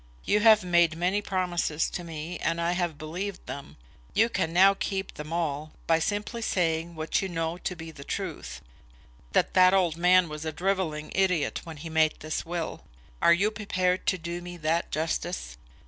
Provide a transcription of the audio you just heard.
You have made many promises to me, and I have believed them. You can now keep them all, by simply saying what you know to be the truth, that that old man was a drivelling idiot when he made this will. Are you prepared to do me that justice?